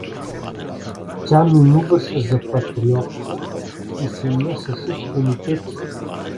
Тя минуваше за патриотка и се мешаше в комитети.